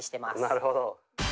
なるほど。